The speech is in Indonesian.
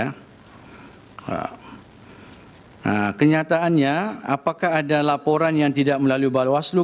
nah kenyataannya apakah ada laporan yang tidak melalui bawaslu